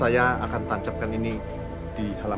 jangan pegang wudhu lo